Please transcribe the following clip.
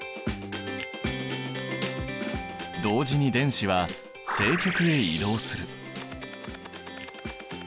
同時に電子は正極へ移動する。